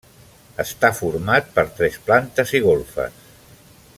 Està format per tres plantes i golfes.